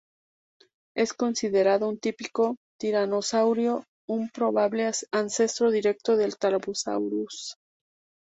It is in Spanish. Es considerado un típico tiranosáurido, un probable ancestro directo del "Tarbosaurus".